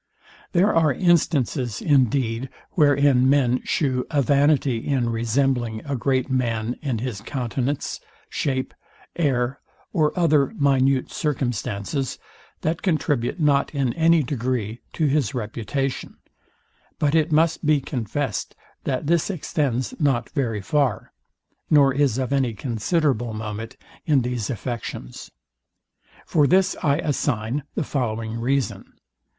There are instances, indeed, wherein men shew a vanity in resembling a great man in his countenance, shape, air, or other minute circumstances, that contribute not in any degree to his reputation; but it must be confessed that this extends not very far, nor is of any considerable moment in these affections. For this I assign the following reason.